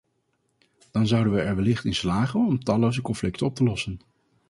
Dan zouden wij er wellicht in slagen om talloze conflicten op te lossen.